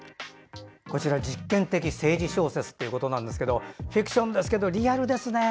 こちら実験的政治小説ということですがフィクションですけどリアルですね。